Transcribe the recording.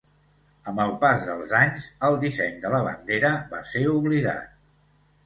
Amb el pas dels anys, el disseny de la bandera va ser oblidat.